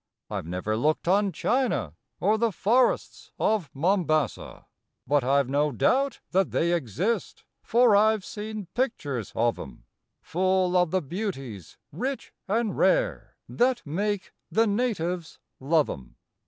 I ve never looked on China, or the forests of Mombassa, But I ve no doubt that they exist, for I ve seen pictures of em, Full of the beauties rich and rare that make the natives love em.